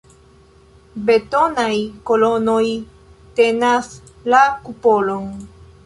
Betonaj kolonoj tenas la kupolon.